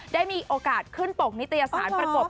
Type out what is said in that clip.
ได้มีโอกาสขึ้นปกนิตยสารประกบ